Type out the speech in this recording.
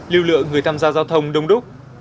lưu lượng người tham gia giao thông đông đúc